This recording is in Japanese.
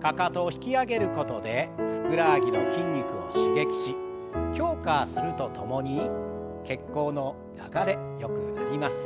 かかとを引き上げることでふくらはぎの筋肉を刺激し強化するとともに血行の流れよくなります。